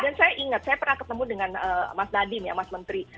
dan saya ingat saya pernah ketemu dengan mas nadiem ya mas menteri